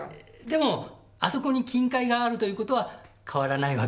でもあそこに金塊があるということは変わらないわけだし。